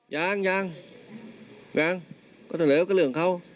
ยังก็เถอะเหลือก็เรื่องเขา